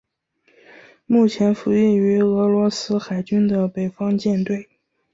目前服役于俄罗斯海军的北方舰队。